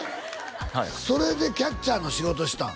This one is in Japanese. はいそれでキャッチャーの仕事したん？